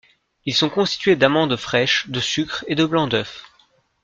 Ils sont constitués d'amandes fraîches, de sucre et de blancs d’œufs.